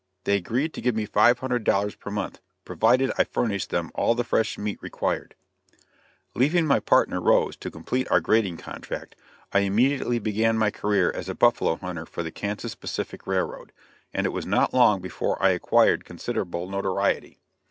They agreed to give me five hundred dollars per month, provided I furnished them all the fresh meat required. Leaving my partner, Rose, to complete our grading contract, I immediately began my career as a buffalo hunter for the Kansas Pacific Railroad, and it was not long before I acquired considerable notoriety.